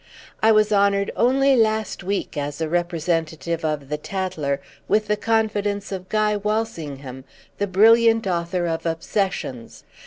I was honoured only last week, as a representative of The Tatler, with the confidence of Guy Walsingham, the brilliant author of 'Obsessions.